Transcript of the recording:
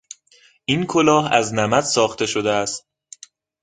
این کلاه از نمد ساخته شده است.